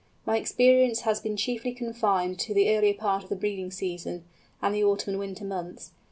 My experience has been chiefly confined to the earlier part of the breeding season, and the autumn and winter months.